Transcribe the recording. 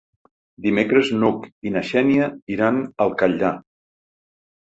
Dimecres n'Hug i na Xènia iran al Catllar.